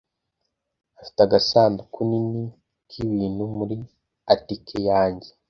afite agasanduku nini k'ibintu muri atike yanjye.